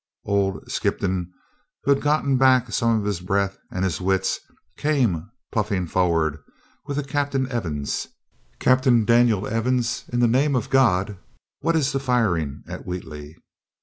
Old Skippon, who had got back some of his breath and his wits came puffing forward with a, "Captain Evans, Captain Daniel Evans, in the name of God, what is the firing at Wheatley?"